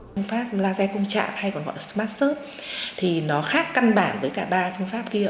phương pháp laser công trạm hay còn gọi là smart search thì nó khác căn bản với cả ba phương pháp kia